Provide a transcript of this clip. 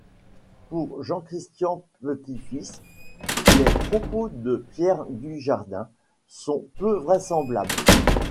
Pour Jean-Christian Petitfils, les propos de Pierre Dujardin sont peu vraisemblables.